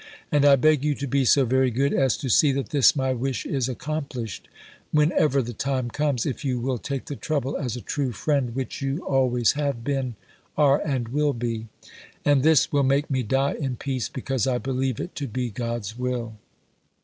And I beg you to be so very good as to see that this my wish is accomplished, whenever the time comes, if you will take the trouble as a true friend, which you always have been, are, and will be. And this will make me die in peace because I believe it to be God's will.